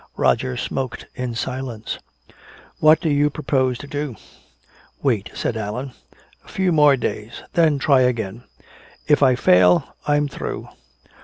Roger smoked in silence. "What do you propose to do?" "Wait," said Allan, "a few days more. Then try again. If I fail I'm through."